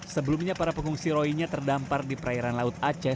sebelumnya para pengungsi rohinya terdampar di perairan laut aceh